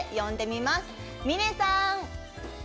みねさん！